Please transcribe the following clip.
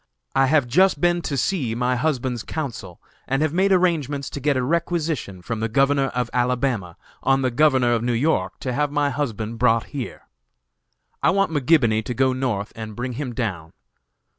I have just been to see my husband's counsel and have made arrangements to get a requisition from the Governor of Alabama on the Governor of New York to have my husband brought here. I want McGibony to go North and bring him down.